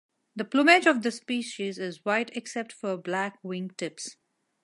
The plumage of this species is white except for black wing tips.